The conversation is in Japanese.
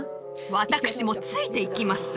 私もついていきます